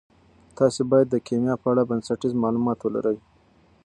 تاسي باید د کیمیا په اړه بنسټیز معلومات ولرئ.